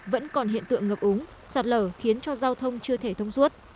vẫn còn hiện tượng ngập úng sạt lở khiến cho giao thông chưa thể thông suốt